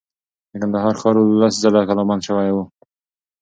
د کندهار ښار لس ځله کلا بند شوی و.